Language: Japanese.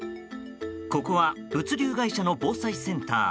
ここは物流会社の防災センター。